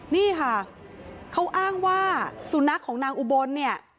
นี่ค่ะเขาอ้างว่าสุนัขของนางอุบลเนี่ย